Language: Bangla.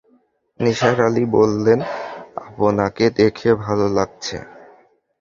নিসার আলি বললেন, আপনাকে দেখে ভালো লাগছে।